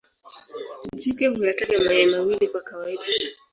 Jike huyataga mayai mawili kwa kawaida.